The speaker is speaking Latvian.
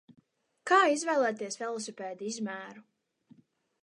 Kā izvēlēties velosipēda izmēru?